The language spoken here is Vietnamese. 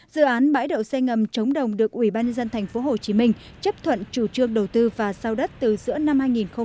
dự án bãi đậu xây ngầm chống đồng được ubnd tp hcm chấp thuận chủ trương đầu tư và sau đất từ giữa năm hai nghìn một mươi